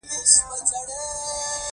هغه ژبه چې د اغېزو د جذبولو وړتیا ونه لري،